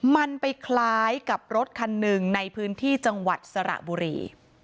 มันไปคล้ายกับรถคันหนึ่งในพื้นที่จังหวัดสระบุรี